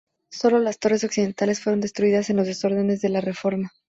Sólo las torres occidentales fueron destruidas en los desórdenes de la reforma.